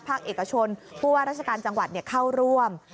ภาคเอกชนผู้ว่าราชการจังหวัดเข้าร่วม